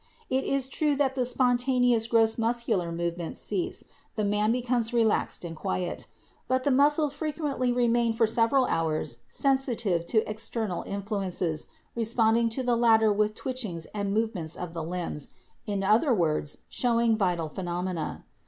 It is true that the spontaneous gross muscular move ments cease, the man becomes relaxed and quiet. But the muscles frequently remain for several hours sensitive to external influences, responding to the latter with twitch ings and movements of the limbs, in other words, showing vital phenomena.